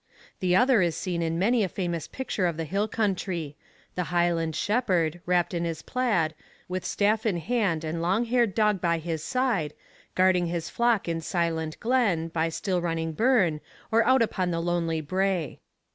The other is seen in many a famous picture of the hill country the Highland shepherd, wrapped in his plaid, with staff in hand and long haired dog by his side, guarding his flock in silent glen, by still running burn, or out upon the lonely brae.